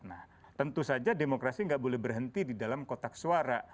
nah tentu saja demokrasi nggak boleh berhenti di dalam kotak suara